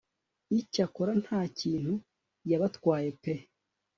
icyakora ntakintu yabatwaye pe